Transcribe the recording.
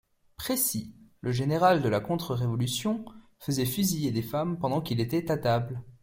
Précy, le général de la contre-révolution, faisait fusiller des femmes pendant qu'il était à table.